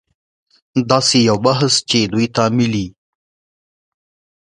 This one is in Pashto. داسې یو بحث چې دوی ته د ملي